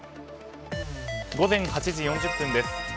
午前８時４０分です。